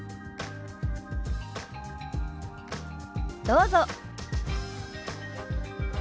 どうぞ。